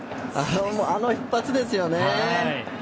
あの一発ですよね。